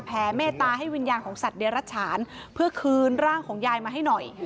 เมตตาให้วิญญาณของสัตว์เดรัชฉานเพื่อคืนร่างของยายมาให้หน่อย